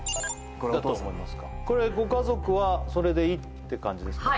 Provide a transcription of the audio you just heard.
これお父さんのこれご家族はそれでいいって感じですか？